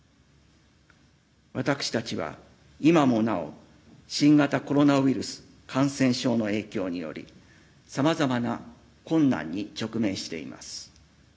私たちは、今もなお新型コロナウイルス感染症の影響により様々な困難に直面しています。